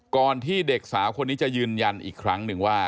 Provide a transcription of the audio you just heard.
ที่เด็กสาวคนนี้จะยืนยันอีกครั้งหนึ่งว่า